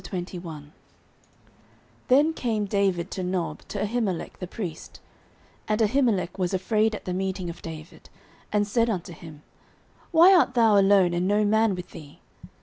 09:021:001 Then came David to Nob to Ahimelech the priest: and Ahimelech was afraid at the meeting of David, and said unto him, Why art thou alone, and no man with thee?